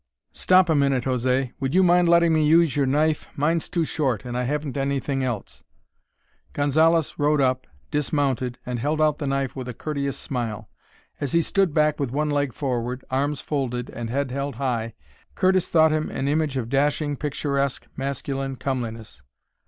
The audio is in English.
"Stop a minute, José. Would you mind letting me use your knife? Mine's too short and I haven't anything else." Gonzalez rode up, dismounted, and held out the knife with a courteous smile. As he stood back with one leg forward, arms folded, and head held high, Curtis thought him an image of dashing, picturesque, masculine comeliness.